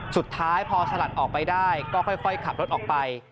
สุดท้ายพอสลัดออกไปได้ก็ค่อยขับรถออกไป